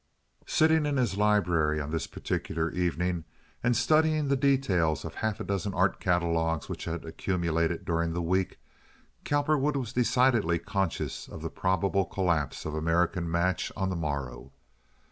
Sitting in his library on this particular evening, and studying the details of half a dozen art catalogues which had accumulated during the week, Cowperwood was decidedly conscious of the probable collapse of American Match on the morrow.